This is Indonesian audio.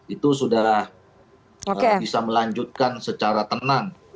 itu sudah bisa melanjutkan secara tenang